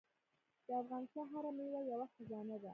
د افغانستان هره میوه یوه خزانه ده.